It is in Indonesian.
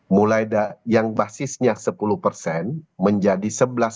mulai yang basisnya sepuluh menjadi sebelas